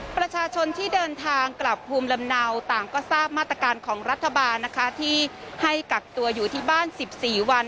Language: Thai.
ประชาชนที่เดินทางกลับภูมิลำเนาต่างก็ทราบมาตรการของรัฐบาลนะคะที่ให้กักตัวอยู่ที่บ้าน๑๔วัน